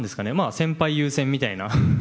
先輩優先みたいな。